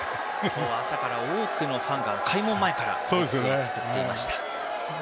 朝から多くのファンが開門前から列を作っていました。